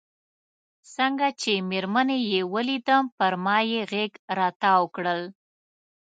څنګه چې مېرمنې یې ولیدم پر ما یې غېږ را وتاو کړل.